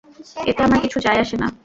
এতে আমার কিছু যায়আসে না।